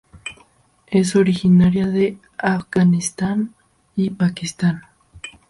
Es originaria de Afganistán y Pakistán.